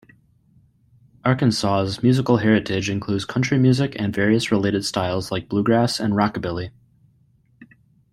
Arkansas's musical heritage includes country music and various related styles like bluegrass and rockabilly.